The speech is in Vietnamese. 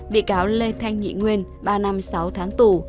bị cáo lê thanh nhị nguyên ba năm sáu tháng tù